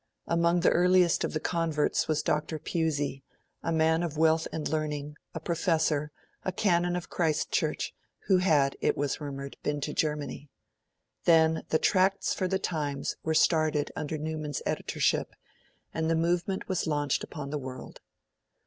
Among the earliest of the converts was Dr Pusey, a man of wealth and learning, a professor, a canon of Christ Church, who had, it was rumoured, been to Germany. Then the Tracts for the Times were started under Newman's editorship, and the Movement was launched upon the world.